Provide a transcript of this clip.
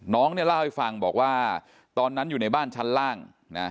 น้องเนี่ยเล่าให้ฟังบอกว่าตอนนั้นอยู่ในบ้านชั้นล่างนะ